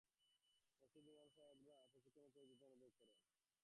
তিনি মসজিদের ইমাম সাহেবানের জন্যও প্রশিক্ষণের প্রয়ােজনীয়তা অনুভব করেন।